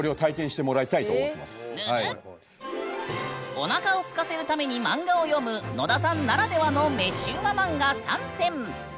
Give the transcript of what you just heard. おなかをすかせるために漫画を読む野田さんならではの飯ウマ漫画３選！